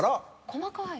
細かい。